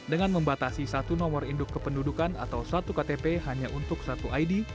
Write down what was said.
dengan membatasi satu nomor induk kependudukan atau satu ktp hanya untuk satu id